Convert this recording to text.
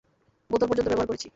বোতল পর্যন্ত ব্যবহার করেছি।